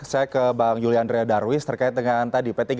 rumahnya gitu kan jangan khawatir